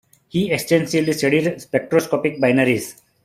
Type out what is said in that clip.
He extensively studied spectroscopic binaries.